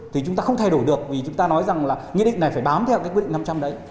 thì chúng ta không thay đổi được vì chúng ta nói rằng là nghị định này phải bám theo cái quyết định năm trăm linh đấy